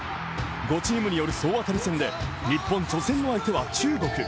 ５チームによる総当たり戦で、日本初戦の相手は中国。